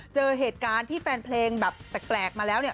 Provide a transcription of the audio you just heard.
เจอเหตุการณ์ที่แฟนเพลงแบบแปลกมาแล้วเนี่ย